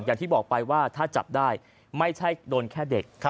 อย่างที่บอกไปว่าถ้าจับได้ไม่ใช่โดนแค่เด็ก